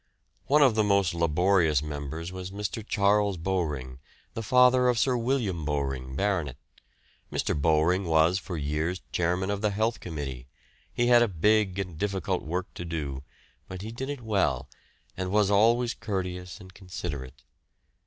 One of the most laborious members was Mr. Charles Bowring, the father of Sir William Bowring, Bart. Mr. Bowring was for years Chairman of the Health Committee. He had a big and difficult work to do, but he did it well, and was always courteous and considerate.